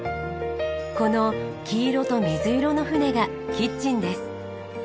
この黄色と水色の船がキッチンです。